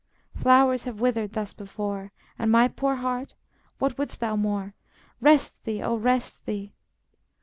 Flowers have withered thus before, And, my poor heart, what wouldst thou more? Rest thee, oh, rest thee!